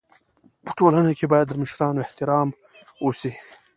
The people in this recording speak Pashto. په ټولنه کي بايد د مشرانو احترام وسي.